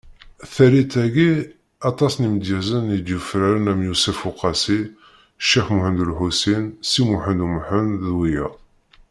Tallit-agi, aṭas n yimedyazen i d-yufraren am Yusef Uqasi , Cix Muhend Ulḥusin Si Muḥend Umḥend d wiyaḍ .